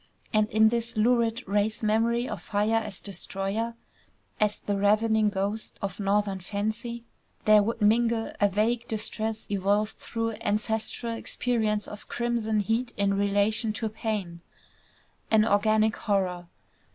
And in this lurid race memory of fire as destroyer, as the "ravening ghost" of Northern fancy, there would mingle a vague distress evolved through ancestral experience of crimson heat in relation to pain, an organic horror.